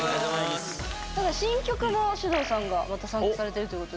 ただ新曲もｓｙｕｄｏｕさんがまた参加されているということで。